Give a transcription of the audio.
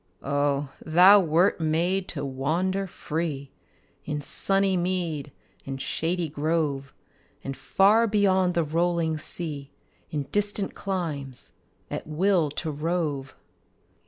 Oh, thou wert made to wander free In sunny mead and shady grove, And far beyond the rolling sea, In distant climes, at will to rove!